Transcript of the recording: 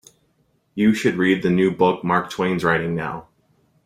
You should read the new book Mark Twain's writing now.